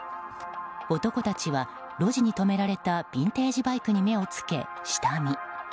男たちは路地に止められたビンテージバイクに目を付け、下見。